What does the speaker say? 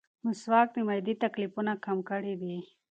مسواک د معدې تکلیفونه کم کړي دي.